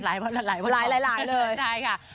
อะไรวันก่อนซิใช่ค่ะ